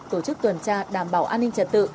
tổ chức tuần tra đảm bảo an ninh trật tự